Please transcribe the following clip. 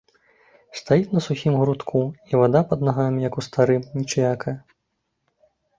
Стаіць на сухім грудку, і вада пад нагамі, як у старым, не чвякае.